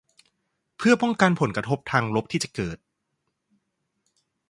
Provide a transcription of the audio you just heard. เพื่อป้องกันผลกระทบทางลบที่จะเกิด